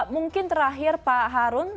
mungkin terakhir pak harun